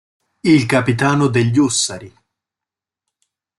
Il capitano degli Ussari